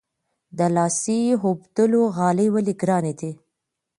د لاسي اوبدلو غالۍ ولې ګرانې دي؟